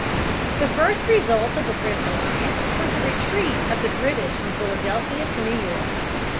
The first result of the French alliance was the retreat of the British from Philadelphia to New York.